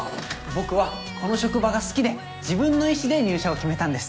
僕はこの職場が好きで自分の意志で入社を決めたんです。